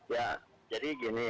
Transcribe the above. ya jadi gini